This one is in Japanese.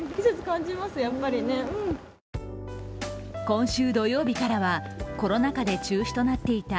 今週土曜日からはコロナ禍で中止となっていた